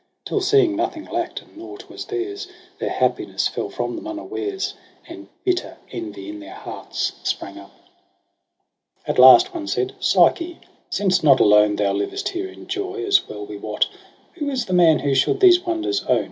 Till seeing nothing lack'd and naught was theirs. Their happiness fell from them unawares. And bitter envy in their hearts sprang up. I 114 EROS ^ PSYCHE 9 At last one said ' Psyche, since not alone Thou livest here in joy, as well we wot. Who is the man who should these wonders own.